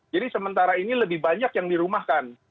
jadi sementara ini lebih banyak yang dirumahkan